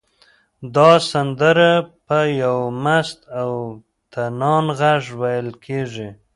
دا سندره په یو مست او طنان غږ ویل کېږي.